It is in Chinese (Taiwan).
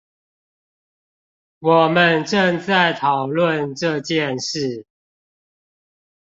我們正在討論這件事